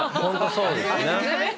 そうですよね。